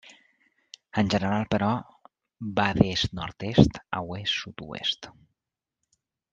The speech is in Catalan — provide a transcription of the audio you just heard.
En general, però, va d'est-nord-est a oest-sud-oest.